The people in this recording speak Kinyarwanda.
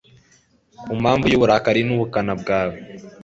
ku mpamvu y'uburakari n'ubukana bwawe